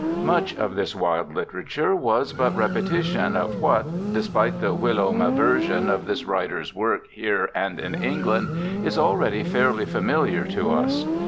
Much of this Wilde literature was but repetition of what, despite the whilom 10 INTRODUCTION aversion from this writer's work here and in England, is already fairly familiar to us.